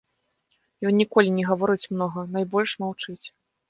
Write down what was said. Ён ніколі не гаворыць многа, найбольш маўчыць.